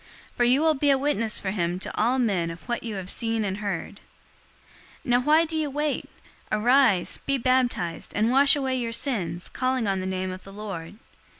022:015 For you will be a witness for him to all men of what you have seen and heard. 022:016 Now why do you wait? Arise, be baptized, and wash away your sins, calling on the name of the Lord.'